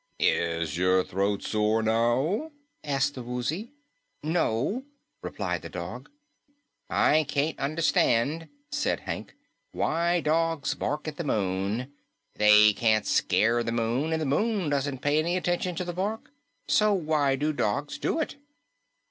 "Is your throat sore now?" asked the Woozy. "No," replied the dog. "I can't understand," said Hank, "why dogs bark at the moon. They can't scare the moon, and the moon doesn't pay any attention to the bark. So why do dogs do it?"